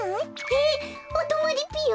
えっおとまりぴよ？